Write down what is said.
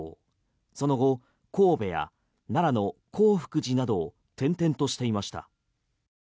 その後、神戸や奈良の興福寺などを転々としていました。